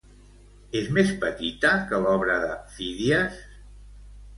És més petita que l'obra de Fídies?